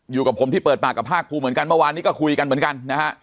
อยู่กับผมที่เปิดปากกับภาคภูมิเหมือนกันเมื่อวานนี้ก็คุยกันเหมือนกันนะฮะ